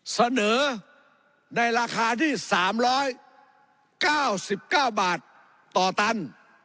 เสนอในราคาที่๓๙๙บาทต่อตัน